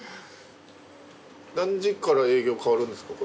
何時から営業変わるんですか？